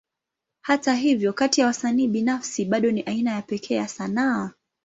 Hata hivyo, kati ya wasanii binafsi, bado ni aina ya pekee ya sanaa.